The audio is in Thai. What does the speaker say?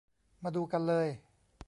มาดูกันเลย